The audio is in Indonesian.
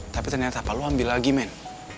tapi ternyata apa lo ambil lagi men